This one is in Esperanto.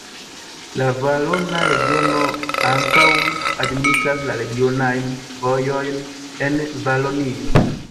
La Valona Regiono ankaŭ administras la regionajn vojojn en Valonio.